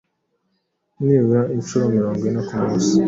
nibura inshuro mirongo ine ku munsi